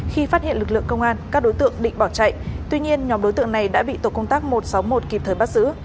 khi phát hiện lực lượng công an các đối tượng định bỏ chạy tuy nhiên nhóm đối tượng này đã bị tổ công tác một trăm sáu mươi một kịp thời bắt giữ